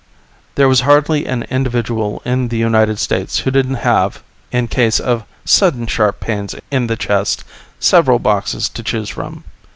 There was hardly an individual in the United States who didn't have, in case of sudden sharp pains in the chest, several boxes to choose from.